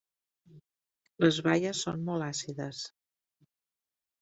Les baies són molt àcides.